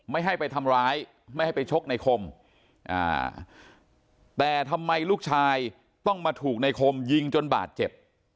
ไม่ให้ไปทำร้ายไม่ให้ไปชกในคมแต่ทำไมลูกชายต้องมาถูกในคมยิงจนบาดเจ็บ